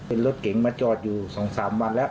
เป็นรถเก๋งมาจอดอยู่๒๓วันแล้ว